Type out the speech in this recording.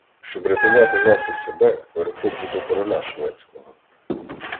Щоб рятувати вас і себе, переходжу до короля шведського.